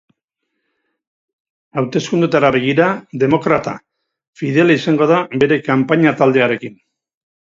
Hauteskundeetara begira, demokrata, fidela izango da bere kanpaina taldearekin.